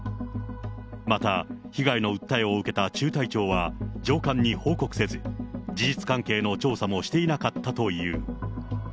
また被害の訴えを受けた中隊長は上官に報告せず、事実関係の調査もしていなかったという。